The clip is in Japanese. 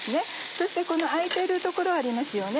そしてこの空いてる所ありますよね。